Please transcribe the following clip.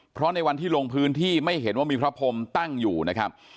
เพราะในวันที่ลงพื้นที่ไม่เห็นว่ามีพระพรมตั้งอยู่นะครับ